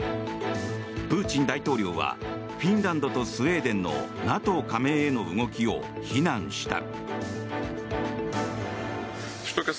プーチン大統領はフィンランドとスウェーデンのＮＡＴＯ加盟への動きを非難した。